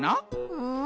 うん？